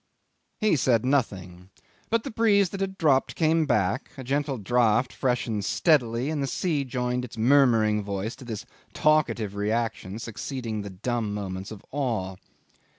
He said nothing, but the breeze that had dropped came back, a gentle draught freshened steadily, and the sea joined its murmuring voice to this talkative reaction succeeding the dumb moments of awe.